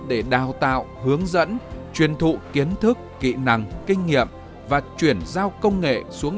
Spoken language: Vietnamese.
để đào tạo hướng dẫn truyền thụ kiến thức kỹ năng kinh nghiệm và chuyển giao công nghệ xuống